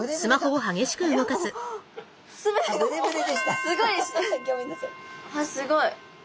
わっすごい。